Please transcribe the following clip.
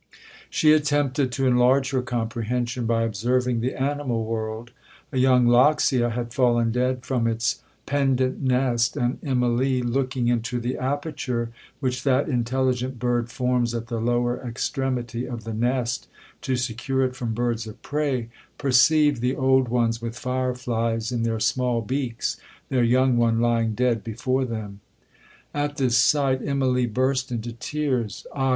'She attempted to enlarge her comprehension, by observing the animal world. A young loxia had fallen dead from its pendent nest; and Immalee, looking into the aperture which that intelligent bird forms at the lower extremity of the nest to secure it from birds of prey, perceived the old ones with fire flies in their small beaks, their young one lying dead before them. At this sight Immalee burst into tears.—'Ah!